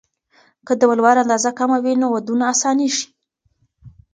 که د ولور اندازه کمه وي، نو ودونه اسانېږي.